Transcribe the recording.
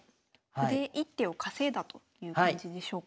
歩で１手を稼いだという感じでしょうか？